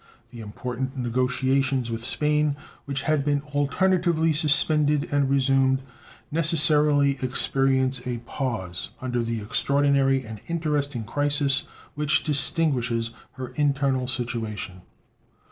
The important negotiations with Spain which had been alternately suspended and resumed necessarily experience a pause under the extraordinary and interesting crisis which distinguishes her internal situation.